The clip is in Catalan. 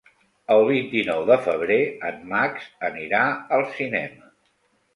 El vint-i-nou de febrer en Max anirà al cinema.